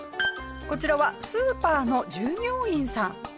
こちらはスーパーの従業員さん。